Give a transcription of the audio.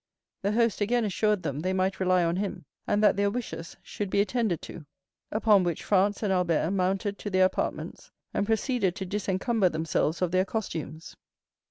The host again assured them they might rely on him, and that their wishes should be attended to; upon which Franz and Albert mounted to their apartments, and proceeded to disencumber themselves of their costumes.